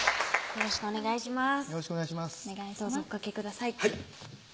よろしくお願いします